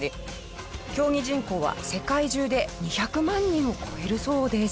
競技人口は世界中で２００万人を超えるそうです。